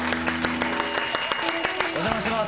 お邪魔してます。